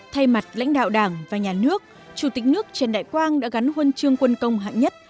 thay mặt lãnh đạo đảng và nhà nước chủ tịch nước trần đại quang đã gắn huân chương quân công hạng nhất